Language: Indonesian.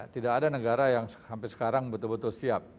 tidak ada negara yang sampai sekarang betul betul siap